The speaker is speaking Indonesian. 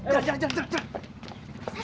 jalan jalan jalan